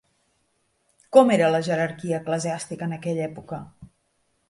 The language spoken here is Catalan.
Com era la jerarquia eclesiàstica en aquella època?